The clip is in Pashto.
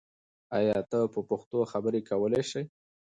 آیا ته په پښتو خبرې کولای شې؟